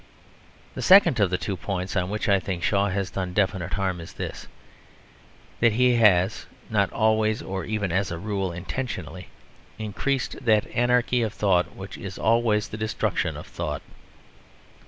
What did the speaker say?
The second of the two points on which I think Shaw has done definite harm is this: that he has (not always or even as a rule intentionally) increased that anarchy of thought which is always the destruction of thought.